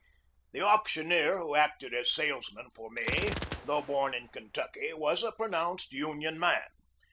The auctioneer who acted as salesman for me, though born in Kentucky, was a pronounced Union man.